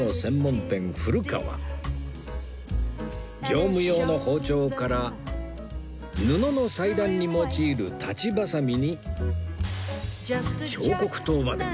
業務用の包丁から布の裁断に用いる裁ち鋏に彫刻刀まで